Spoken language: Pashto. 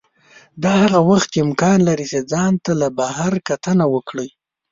دا هغه وخت امکان لري چې ځان ته له بهر کتنه وکړئ.